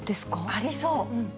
ありそう。